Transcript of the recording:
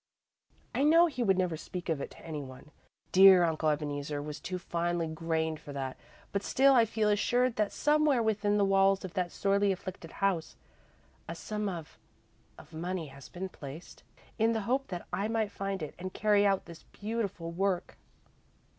I know he would never speak of it to any one dear Uncle Ebeneezer was too finely grained for that but still I feel assured that somewhere within the walls of that sorely afflicted house, a sum of of money has been placed, in the hope that I might find it and carry out this beautiful work."